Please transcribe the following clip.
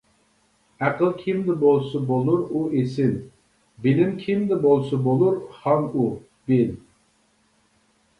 ئەقىل كىمدە بولسا بولۇر ئۇ ئېسىل، بىلىم كىمدە بولسا بولۇر خان ئۇ، بىل.